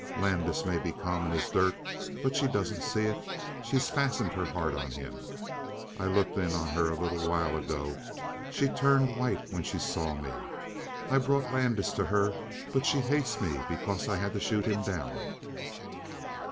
Landis may be common as dirt; but she doesn't see it. She's fastened her heart on him. I looked in on her a little while ago. She turned white when she saw me. I brought Landis to her, but she hates me because I had to shoot him down."